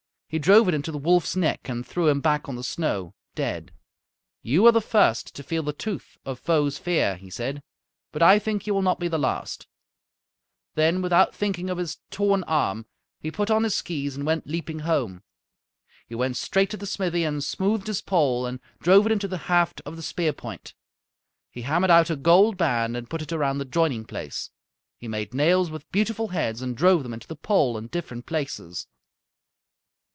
He drove it into the wolf's neck and threw him back on the snow, dead. "You are the first to feel the tooth of 'Foes' fear,'" he said, "but I think you will not be the last." [Illustration: "He drove it into the wolf's neck"] Then without thinking of his torn arm he put on his skees and went leaping home. He went straight to the smithy and smoothed his pole and drove it into the haft of the spear point. He hammered out a gold band and put it around the joining place. He made nails with beautiful heads and drove them into the pole in different places.